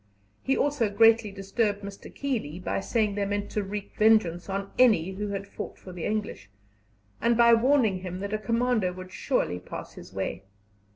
He also greatly disturbed Mr. Keeley by saying they meant to wreak vengeance on any who had fought for the English, and by warning him that a commando would surely pass his way.